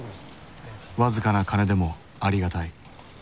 僅かなカネでもありがたい。